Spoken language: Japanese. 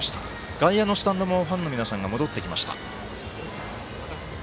外野のスタンドのファンの皆さんが戻ってきました。